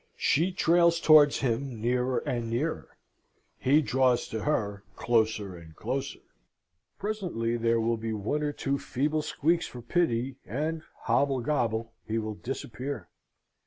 She trails towards him nearer and nearer; he draws to her, closer and closer. Presently there will be one or two feeble squeaks for pity, and hobblegobble he will disappear!